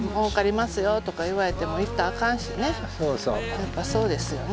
やっぱそうですよね。